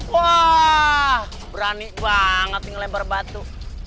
wah berani banget ini lempar batu